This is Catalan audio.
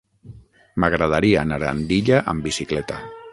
M'agradaria anar a Andilla amb bicicleta.